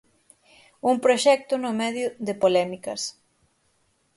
Un proxecto no medio de polémicas.